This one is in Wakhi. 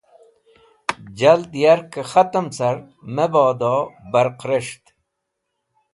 Jald yarkẽ khatẽm car mebodo barq res̃ht